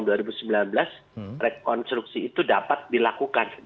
jadi mereka bisa melakukan rekonstruksi